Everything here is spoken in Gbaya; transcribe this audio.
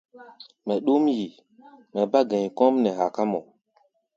Mɛ ɗúm yi, mɛ bá gɛ̧i̧ kɔ́ʼm nɛ haká mɔ.